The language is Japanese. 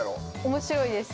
面白いです。